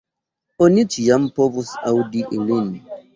Oni ĉiam povus aŭdi ilin.